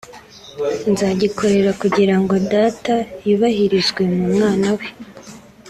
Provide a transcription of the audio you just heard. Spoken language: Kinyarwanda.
nzagikorera kugira ngo Data yubahirizwe mu mwana we